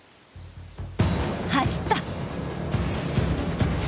走った！